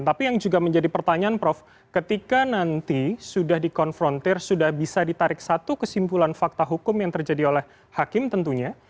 tapi yang juga menjadi pertanyaan prof ketika nanti sudah dikonfrontir sudah bisa ditarik satu kesimpulan fakta hukum yang terjadi oleh hakim tentunya